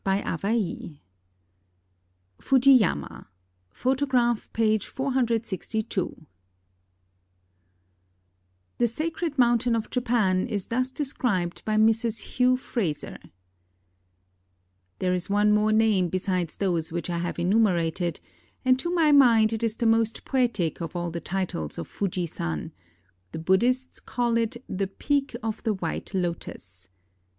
Business begins to improve. FUJI YAMA FUJI YAMA The sacred mountain of Japan is thus described by Mrs. Hugh Fraser: — "There is one more name besides those which I have enumerated, and to my mind it is the most poetic of all the titles of Fuji San: the Buddhists call it the Peak of the White Lotus.